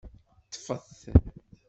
Ṭṭfet.